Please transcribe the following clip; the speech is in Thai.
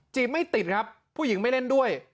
ไม่ติดครับผู้หญิงไม่เล่นด้วย